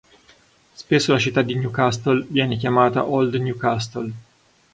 Spesso la città di New Castle viene chiamata Old New Castle.